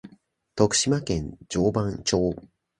徳島県上板町